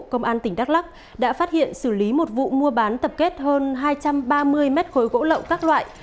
công an tỉnh đắk lắc đã phát hiện xử lý một vụ mua bán tập kết hơn hai trăm ba mươi mét khối gỗ lậu các loại